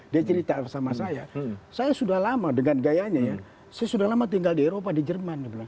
dia cerita sama saya saya sudah lama dengan gayanya ya saya sudah lama tinggal di eropa di jerman